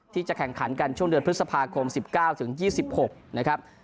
ที่จะแข่งขันกันช่วงเดือนพฤษภาคม๑๙ถึง๒๖นะครับ